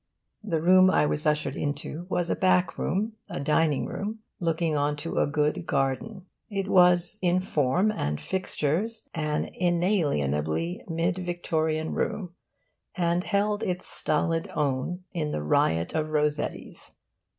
The room I was ushered into was a back room, a dining room, looking on to a good garden. It was, in form and 'fixtures,' an inalienably Mid Victorian room, and held its stolid own in the riot of Rossettis.